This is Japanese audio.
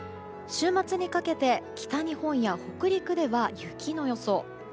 週末にかけて、北日本や北陸では雪の予想。